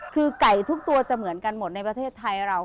คือไก่ทุกตัวจะเหมือนกันหมดในประเทศไทยเรา